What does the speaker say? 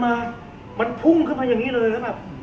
สมมุติตรงก่อนตรงนี้ไม่มีเลยนะ